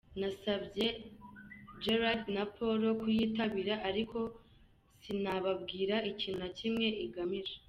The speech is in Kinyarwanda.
Nasabye Jared na Paul kuyitabira, ariko sinababwira ikintu na kimwe igamije.